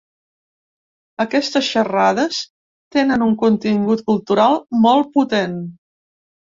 Aquestes xerrades tenen un contingut cultural molt potent.